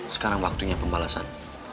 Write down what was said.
sekarang waktunya pembalasan